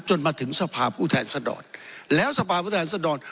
จนมาถึงสภาพผู้แทนสะดอด